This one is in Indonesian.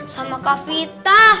sama kak vita